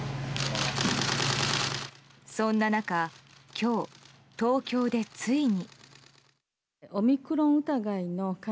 そんな中、今日東京でついに。